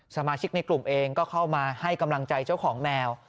สมาชิกในกลุ่มเองก็เข้ามาให้กำลังใจเจ้าของแมว